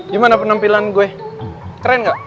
gimana penampilan gue keren nggak